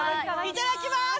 いただきます。